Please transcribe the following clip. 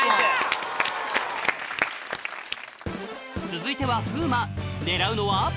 続いては風磨狙うのは？